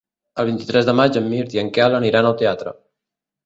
El vint-i-tres de maig en Mirt i en Quel aniran al teatre.